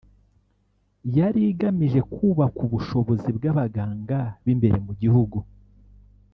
yari igamije kubaka ubushobozi bw’abaganga b’imbere mu gihugu